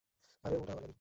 আরে, ওটা আমার গাড়ি।